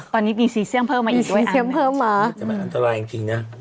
ตอนนี้มีซีเซียมเพิ่มมาอีกด้วยอ่ะมีซีเซียมเพิ่มอ่ะแต่มันอันตรายจริงจริงน่ะ